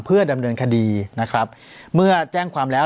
เพื่อดำเนินคดีนะครับเมื่อแจ้งความแล้ว